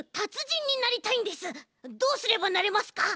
どうすればなれますか？